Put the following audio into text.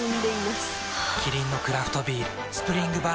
キリンのクラフトビール「スプリングバレー」